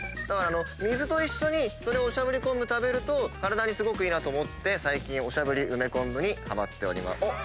だから水と一緒におしゃぶり昆布食べると体にすごくいいなと思って最近おしゃぶり梅昆布にハマっております。